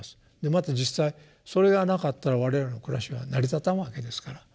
また実際それがなかったら我々の暮らしは成り立たんわけですから。